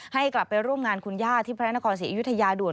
ให้กลับไปร่วมงานคุณย่าที่พระนครศรีอยุธยาด่วน